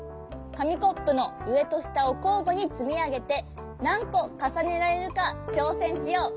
かみコップのうえとしたをこうごにつみあげてなんこかさねられるかちょうせんしよう！